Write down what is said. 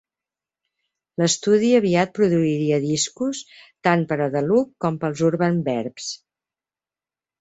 L'estudi aviat produiria discos tant per a The Look com pels Urban Verbs.